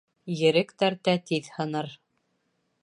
Ерек тәртә тиҙ һыныр.